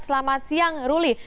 selamat siang ruli